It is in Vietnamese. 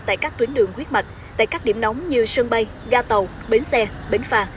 tại các tuyến đường huyết mạch tại các điểm nóng như sân bay ga tàu bến xe bến phà